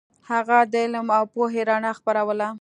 هغه د علم او پوهې رڼا خپروله.